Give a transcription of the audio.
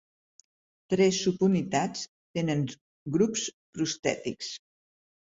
Tres subunitats tenen grups prostètics.